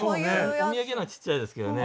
お土産のはちっちゃいですけどね。